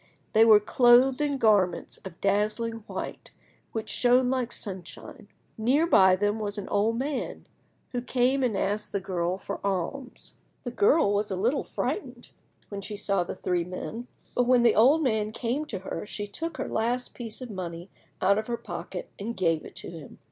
They were clothed in garments of dazzling white which shone like sunshine. Near by them was an old man, who came and asked the girl for alms. The girl was a little frightened when she saw the three men, but when the old man came to her she took her last piece of money out of her pocket and gave it to him.